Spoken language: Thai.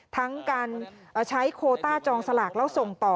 ทั้งการใช้โคต้าจองสลากแล้วส่งต่อ